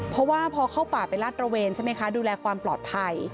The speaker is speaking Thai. เพราะว่าพอเข้าป่าไปลาดระเวนใช่ไหมคะดูแลความปลอดภัย